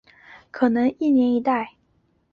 可能一年一代。